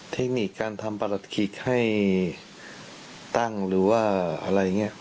เทคนิคการทำประหลัดขิกให้ตั้งหรือว่าอะไรอย่างนี้